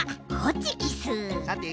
さて？